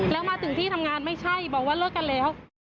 แล้วมาถึงที่ทำงานไม่ใช่บอกว่าเลิกกันแล้ว